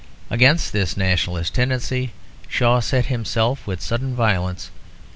Against this nationalist tendency Shaw set himself with sudden violence.